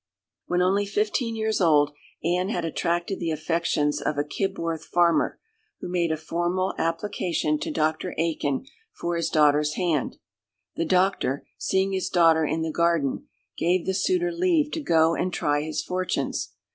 When only fifteen years old, Anne had attracted the affections of a Kibworth farmer, who made a formal application to Dr. Aikin for his daughter's hand. The Doctor, seeing his daughter in the garden, gave the suitor leave to go and try his fortunes.